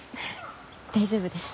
大丈夫です。